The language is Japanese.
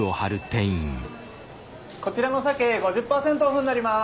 こちらの鮭５０％オフになります。